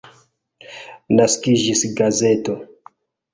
Naskiĝis gazeto.